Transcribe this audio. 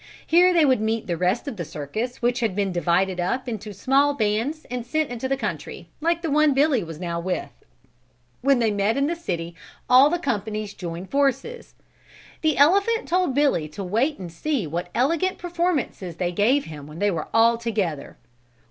Here they would meet the rest of the circus which had been divided up into small bands and sent into the country, like the one Billy was now with. When they met in the city, all the companies joined forces. The elephant told Billy to wait and see what elegant performances they gave when they were all together.